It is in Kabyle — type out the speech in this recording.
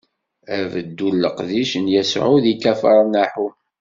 D beddu n leqdic n Yasuɛ di Kafar Naḥum.